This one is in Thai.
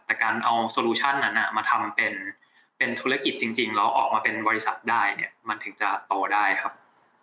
แต่การเอาโซลูชั่นนั้นมาทำเป็นธุรกิจจริงแล้วออกมาเป็นบริษัทได้เนี่ยมันถึงจะโตได้ครับ